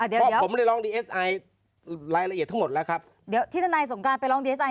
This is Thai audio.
เพราะผมได้ร้องดีเอสไอรายละเอียดทั้งหมดแล้วครับเดี๋ยวที่ทนายสงการไปร้องดีเอสไอ